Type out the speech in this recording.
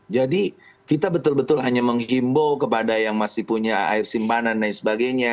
jadi kita betul betul hanya menghimbau kepada yang masih punya air simpanan dan sebagainya